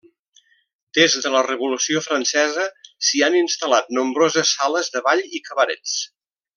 Des de la Revolució Francesa s'hi han instal·lat nombroses sales de ball i cabarets.